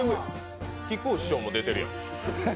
木久扇師匠も出てるやん。